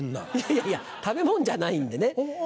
いやいや食べ物じゃないんでね。